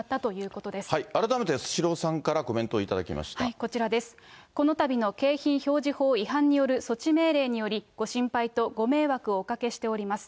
このたびの景品表示法違反による措置命令により、ご心配とご迷惑をおかけしております。